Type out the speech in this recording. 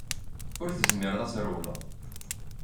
Ur tezmireḍ ad trewleḍ.